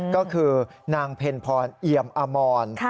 ก็คือนางเพ็ญพรเอียมอมร